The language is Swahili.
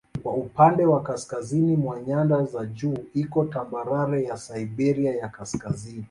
Kwa upande wa kaskazini mwa nyanda za juu iko tambarare ya Siberia ya Kaskazini.